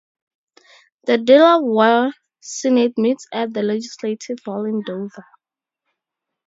The Delaware Senate meets at the Legislative Hall in Dover.